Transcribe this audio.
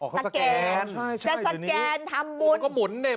อ๋อเขาสแกนจะสแกนทำบุญบุญก็หมุนเนี่ย